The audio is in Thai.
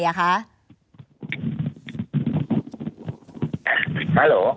ฮัลโหล